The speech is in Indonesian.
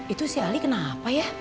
itu si ali kenapa ya